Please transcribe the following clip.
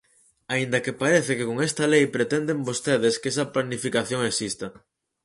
Aínda que parece que con esta lei pretenden vostedes que esa planificación exista.